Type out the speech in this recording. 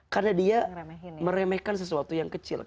karena dia meremehkan sesuatu yang kecil